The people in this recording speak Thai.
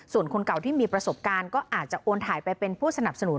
ส่วนคนเก่าที่มีประสบการณ์ก็อาจจะโอนถ่ายไปเป็นผู้สนับสนุน